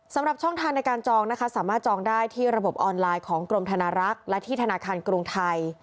สำหรับช่องทางในการจองนะคะสามารถจองได้ที่ระบบออนไลน์ของกรมธนารักษ์และที่ธนาคารกรุงไทย